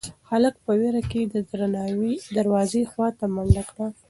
هلک په وېره کې د دروازې خواته منډه کړه.